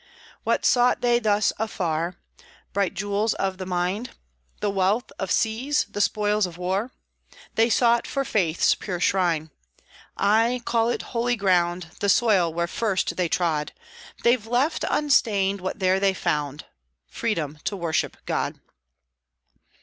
"What sought they thus afar? Bright jewels of the mine? The wealth of seas, the spoils of war? They sought for Faith's pure shrine. Ay, call it holy ground, The soil where first they trod; They've left unstained what there they found, Freedom to worship God."